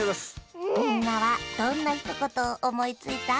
みんなはどんなひとことをおもいついた？